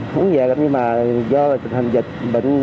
nhưng mà do dịch bệnh